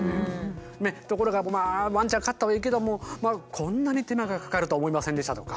ところがワンちゃん飼ったはいいけども「こんなに手間がかかるとは思いませんでした」とか